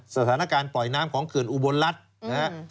สถานการณ์ปล่อยน้ำของเกินอุบลลัทฯนะ